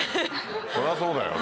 そりゃそうだよね。